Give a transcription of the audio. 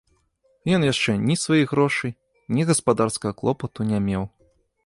Ён яшчэ ні сваіх грошай, ні гаспадарскага клопату не меў.